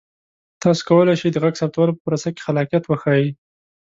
تاسو کولی شئ د غږ ثبتولو په پروسه کې خلاقیت وښایئ.